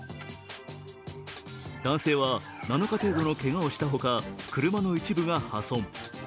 男性は７日程度のけがをしたほか車の一部が破損。